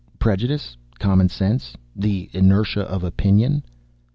prejudice, common sense, the inertia of opinion.